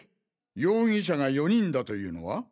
容疑者が４人だというのは？